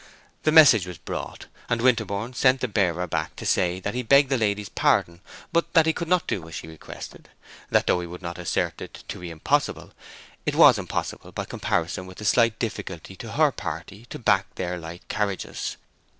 The message was brought, and Winterborne sent the bearer back to say that he begged the lady's pardon, but that he could not do as she requested; that though he would not assert it to be impossible, it was impossible by comparison with the slight difficulty to her party to back their light carriages.